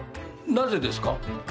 なぜですか？